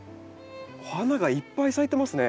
お花がいっぱい咲いてますね。